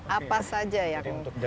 apa saja yang bisa